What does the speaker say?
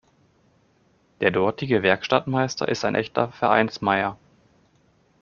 Der dortige Werkstattmeister ist ein echter Vereinsmeier.